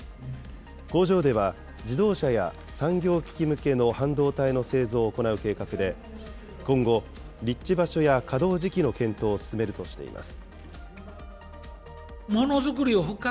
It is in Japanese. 工場では、自動車や産業機器向けの半導体の製造を行う計画で、今後、立地場所や稼働時期の検討を進めるとしています。